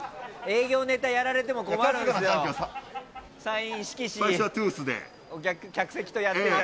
営業ネタやられても困るのよ。